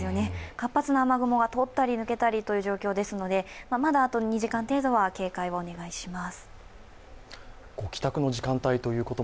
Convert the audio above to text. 活発な雨雲が通ったり、抜けたりですので、まだあと２時間程度は警戒をお願いします。